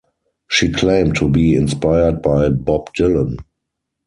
She claimed to be inspired by Bob Dylan.